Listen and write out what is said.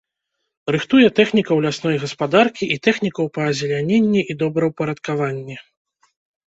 Рыхтуе тэхнікаў лясной гаспадаркі і тэхнікаў па азеляненні і добраўпарадкаванні.